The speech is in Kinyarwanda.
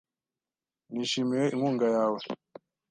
Nishimiye inkunga yawe .